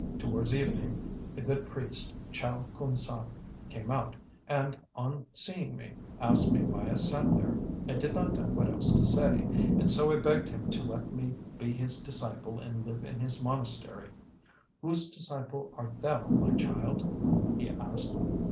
Towards evening the good priest, Chow Khoon Sah, came out, and, on seeing me, asked me why I sat there. I did not know what else to say, and so I begged him to let me be his disciple and live in his monastery. 'Whose disciple art thou, my child?' he asked.